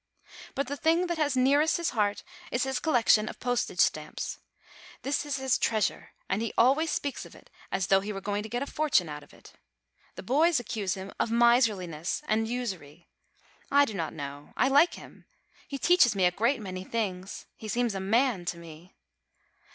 But the thing that he has nearest his heart is his collection of postage stamps. This is his treasure; and he always speaks of it as though he were going 58 DECEMBER to get a fortune out of it. The boys accuse him of miserliness and usury. I do not know: I like him; he teaches me a great many things; he seems a man to me.